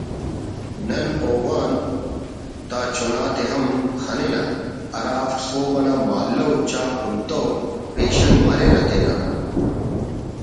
نن اوغان تا چناتے ہم خننہ ہرافک سہب انا مہالو چا کنتنو پیشن مریرہ تینا